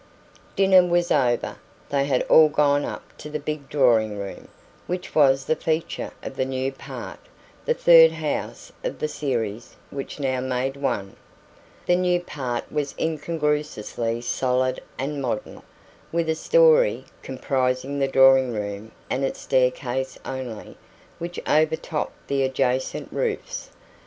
Dinner was over. They had all gone up to the big drawing room, which was the feature of the 'new part' the third house of the series which now made one. The new part was incongruously solid and modern, with a storey (comprising the drawing room and its staircase only) which overtopped the adjacent roofs.